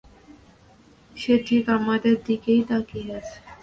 সে ঠিক আমাদের দিকেই তাকিয়ে আছে।